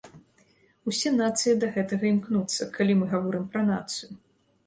Усе нацыі да гэтага імкнуцца, калі мы гаворым пра нацыю.